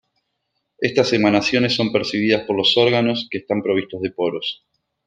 Estas emanaciones son percibidas por los órganos, que están provistos de poros.